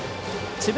智弁